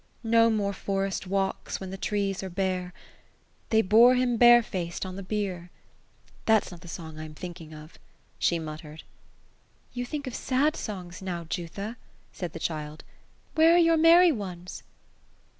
No more forest walks, when the trees are bare I ' They bore him bare faced on the bier/ That's not the song I am thinking of," she muttered. "^ You think of sad songs now, Jutha ;" said the child. ^' Where are your merry ones